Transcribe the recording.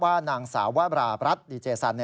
ว่านางสาวว่าบราปรัชน์ดีเจสัน